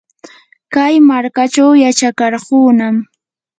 kay markachaw yachakarqunam.